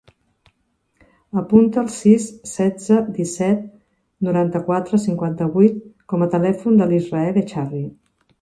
Apunta el sis, setze, disset, noranta-quatre, cinquanta-vuit com a telèfon de l'Israel Echarri.